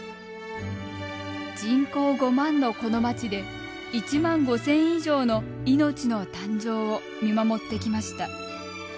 人口５万のこの町で１万５０００以上の命の誕生を見守ってきました。